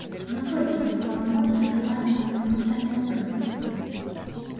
Наколькі мы правамоцныя адказваць на гэта пытанне ў прынцыпе?